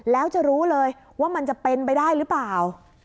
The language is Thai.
แล้วจะรู้เลยว่ามันจะเป็นไปได้หรือเปล่า